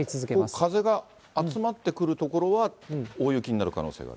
風が集まってくる所は大雪になる可能性がある？